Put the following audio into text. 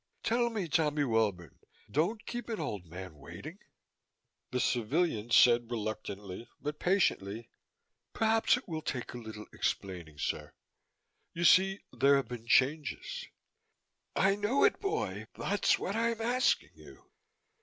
Tell me, Tommy Welbourne! Don't keep an old man waiting!" The civilian said reluctantly, but patiently, "Perhaps it will take a little explaining, sir. You see, there have been changes " "I know it, boy! That's what I'm asking you!"